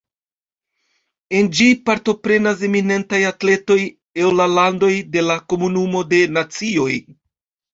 En ĝi partoprenas eminentaj atletoj el la landoj de la Komunumo de Nacioj.